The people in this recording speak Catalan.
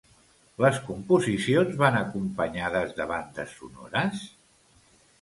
Les composicions van acompanyades de bandes sonores?